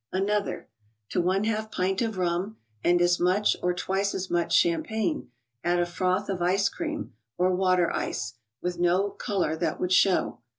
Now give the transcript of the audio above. Another : To one half pint of rum and as much, or twice as much, champagne, add a froth of ice cream, or water ice (with no color that would show).